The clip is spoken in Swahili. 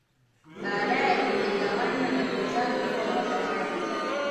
Baadae umegawanywa na kuzaa mkoa wa Katavi